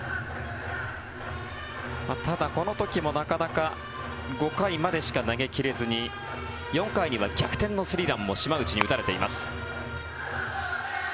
ただ、この時もなかなか５回までしか投げ切れずに４回には逆転のスリーランも島内に打たれています。